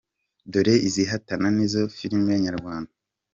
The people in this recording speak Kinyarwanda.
Dore izihatana n’izo filime nyarwanda :.